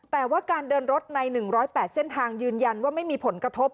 แต่ว่าการเดินรถใน๑๐๘เส้นทางยืนยันว่าไม่มีผลกระทบ